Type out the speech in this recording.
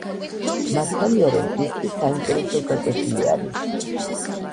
მართალია რომ ისტი საინტერესო გაკვეთილი არის